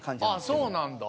ああそうなんだ。